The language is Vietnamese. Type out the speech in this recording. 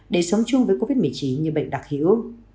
để sống chung với covid một mươi chín như bệnh đặc hữu